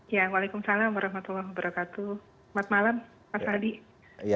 waalaikumsalam selamat malam pak sadi